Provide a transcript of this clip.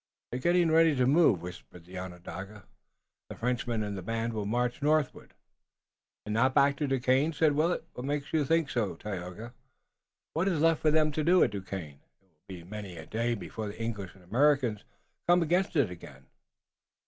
"They are getting ready to move," whispered the Onondaga. "The Frenchman and the band will march northward." "And not back to Duquesne?" said Willet. "What makes you think so, Tayoga?" "What is left for them to do at Duquesne? It will be many a day before the English and Americans come against it again."